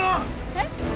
えっ？